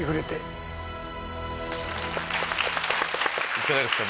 いかがですか？